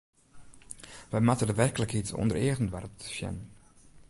Wy moatte de werklikheid ûnder eagen doare te sjen.